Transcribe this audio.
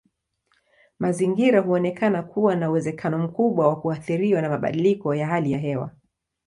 Mazingira huonekana kuwa na uwezekano mkubwa wa kuathiriwa na mabadiliko ya hali ya hewa.